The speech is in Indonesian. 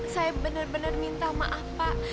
saya benar benar minta maaf pak